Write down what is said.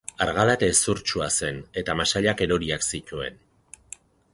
Argala eta hezurtsua zen, eta masailak eroriak zituen.